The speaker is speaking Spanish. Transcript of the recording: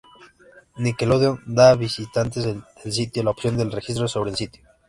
Nickelodeon da a visitantes del sitio la opción al registro sobre el sitio.